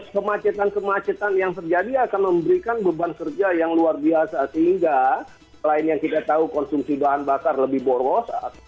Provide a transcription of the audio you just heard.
kemacetan kemacetan yang terjadi akan memberikan beban kerja yang luar biasa sehingga selain yang kita tahu konsumsi bahan bakar lebih boros